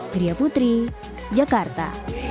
dria putri jakarta